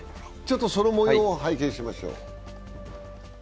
そのもようを拝見しましょう。